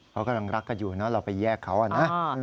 เขากำลังรักกันอยู่เนอะเราไปแยกเขานะ